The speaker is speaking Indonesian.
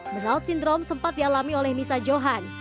menurut sindrom sempat dialami oleh nisa johan